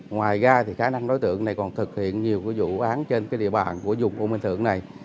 ngoài ra khả năng đối tượng này còn thực hiện nhiều vụ án trên địa bàn của dùng u minh thượng này